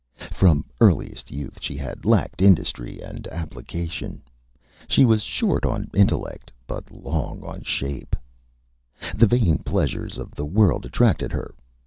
From earliest Youth she had lacked Industry and Application. She was short on Intellect but long on Shape. The Vain Pleasures of the World attracted her.